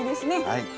はい。